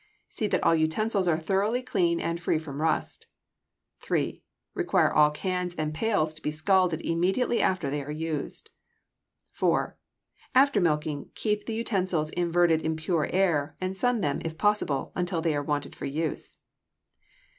See that all utensils are thoroughly clean and free from rust. 3. Require all cans and pails to be scalded immediately after they are used. 4. After milking, keep the utensils inverted in pure air, and sun them, if possible, until they are wanted for use.